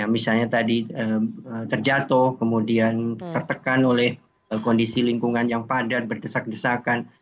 misalnya tadi terjatuh kemudian tertekan oleh kondisi lingkungan yang padat berdesak desakan